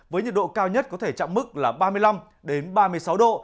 với nhiệt độ cao nhất có thể chạm mức là ba mươi năm ba mươi sáu độ